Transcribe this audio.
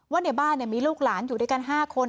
ว่าในบ้านมีลูกหลานอยู่ด้วยกัน๕คน